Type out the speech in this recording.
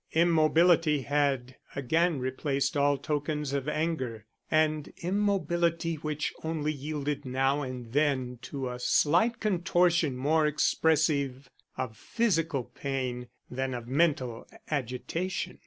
Immobility had again replaced all tokens of anger, and immobility which only yielded now and then to a slight contortion more expressive of physical pain than of mental agitation.